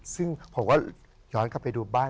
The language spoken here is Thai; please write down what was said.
ซึ่งผมก็ย้อนกลับไปดูบ้าน